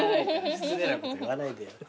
失礼なこと言わないでよ。